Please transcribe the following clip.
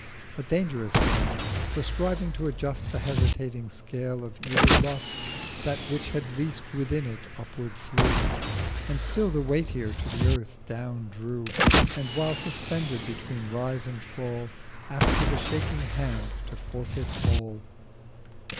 A dangerous Game; for, striving to adjust The hesitating Scale of either Lust, That which had least within it upward flew, And still the weightier to the Earth down drew, 730 And, while suspended between Rise and Fall, Apt with a shaking Hand to forfeit all.